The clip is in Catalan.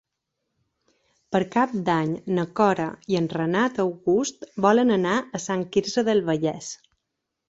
Per Cap d'Any na Cora i en Renat August volen anar a Sant Quirze del Vallès.